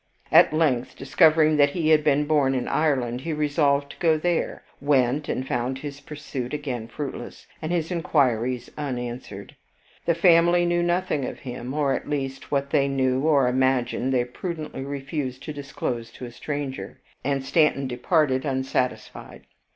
At length, discovering that he had been born in Ireland, he resolved to go there, went, and found his pursuit again fruitless, and his inquiries unanswered. The family knew nothing of him, or at least what they knew or imagined, they prudently refused to disclose to a stranger, and Stanton departed unsatisfied.